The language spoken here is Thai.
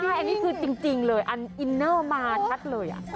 อันนี้อินเนอร์มาชัดเลย